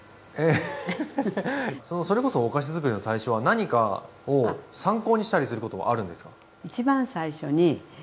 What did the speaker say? それこそお菓子づくりの最初は何かを参考にしたりすることはあるんですか？